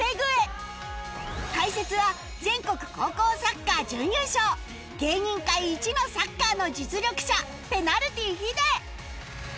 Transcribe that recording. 解説は全国高校サッカー準優勝芸人界イチのサッカーの実力者ペナルティヒデ